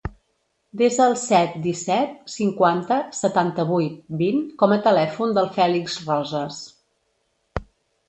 Desa el set, disset, cinquanta, setanta-vuit, vint com a telèfon del Fèlix Rosas.